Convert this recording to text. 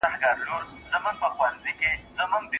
لوی سوداګر د خپلو کارونو لپاره اوږدمهالی فکر کوي.